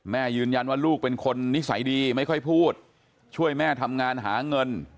แม่ยืนยันว่าลูกเป็นคนนิสัยดีไม่ค่อยพูดช่วยแม่ทำงานหาเงิน